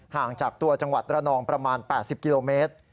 ห่างจากตัวจังหวัดระนองประมาณ๘๐กิโลเมตร